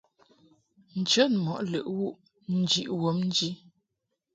Nchəd mɔʼ lɨʼ wuʼ njiʼ wɔbnji.